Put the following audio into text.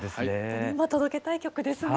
ほんとに今届けたい曲ですね。